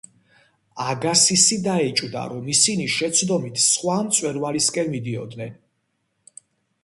აგასისი დაეჭვდა, რომ ისინი შეცდომით სხვა მწვერვალისკენ მიდიოდნენ.